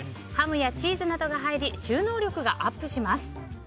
ハムやチーズなどが入り収納力がアップします。